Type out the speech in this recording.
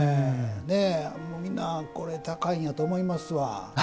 みんな、高いんやと思いますわ。